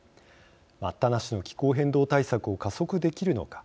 待ったなしの気候変動対策を加速できるのか。